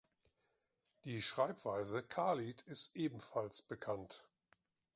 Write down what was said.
Die Schreibweise Khalid ist ebenfalls bekannt.